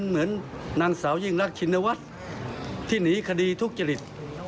เหมือนนางสาวยิ่งรักชินวัฒน์ที่หนีคดีทุจริต